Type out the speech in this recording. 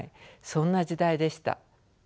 そんな時代でした。